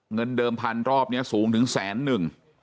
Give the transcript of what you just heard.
เงินเดิมพันรอบนี้สูงถึงแสนหนึ่ง